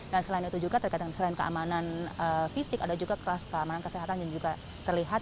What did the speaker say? dan selain itu juga terkait dengan keamanan fisik ada juga keamanan kesehatan yang juga terlihat